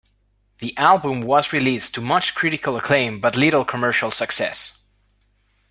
The album was released to much critical acclaim but little commercial success.